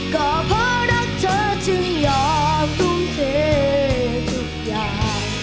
ก็เพราะรักเธอจึงยอมทุ่มเททุกอย่าง